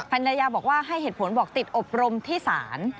ภรรยาบอกว่าให้เหตุผลบอกติดอบรมที่ศาล